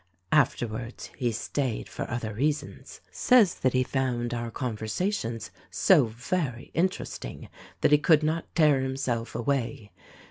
Afterwards he staid for other reasons. Says that he found our conversations so very interesting that he could not tear himself away.